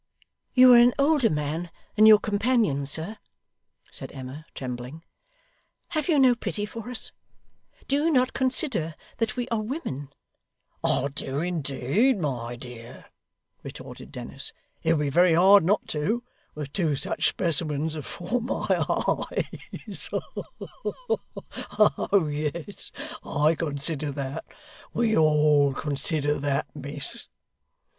'You are an older man than your companion, sir,' said Emma, trembling. 'Have you no pity for us? Do you not consider that we are women?' 'I do indeed, my dear,' retorted Dennis. 'It would be very hard not to, with two such specimens afore my eyes. Ha ha! Oh yes, I consider that. We all consider that, miss.